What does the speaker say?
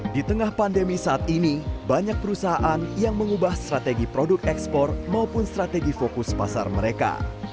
di tengah pandemi saat ini banyak perusahaan yang mengubah strategi produk ekspor maupun strategi fokus pasar mereka